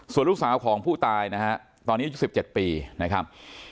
ส่วนลูกสาวของผู้ตายนะฮะตอนนี้อายุ๑๗ปีนะครับ